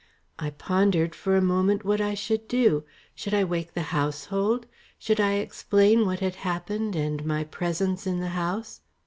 I pondered for a moment what I should do! Should I wake the household? Should I explain what had happened and my presence in the house?